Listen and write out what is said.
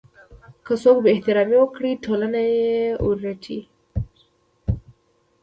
که څوک بې احترامي وکړي ټولنه یې ورټي.